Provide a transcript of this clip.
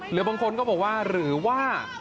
หรือบางคนก็บอกว่าหรือว่า